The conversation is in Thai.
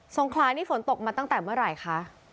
งคลานี่ฝนตกมาตั้งแต่เมื่อไหร่คะ